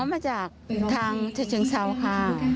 อ๋อมาจากทางเทชังเซาค่ะ